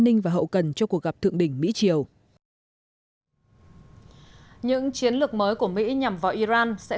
ninh và hậu cần cho cuộc gặp thượng đỉnh mỹ triều những chiến lược mới của mỹ nhằm vào iran sẽ